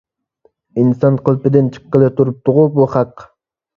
ئىنسان قېلىپىدىن چىققىلى تۇرۇپتىغۇ بۇ خەق.